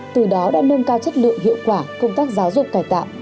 từ đó đã nâng cao chất lượng hiệu quả công tác giáo dục cải tạo